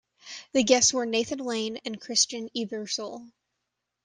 The guests were Nathan Lane and Christine Ebersole.